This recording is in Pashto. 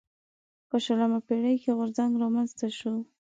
په شلمه پېړۍ کې غورځنګ رامنځته شول.